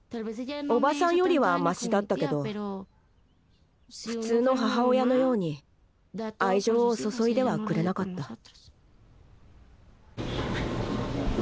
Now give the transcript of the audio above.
叔母さんよりはマシだったけど普通の母親のように愛情を注いではくれなかった。